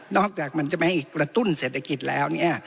นอกจากมันจะไม่ให้กระตุ้นเศรษฐกิจแล้ว